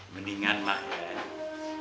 mendingan mak ya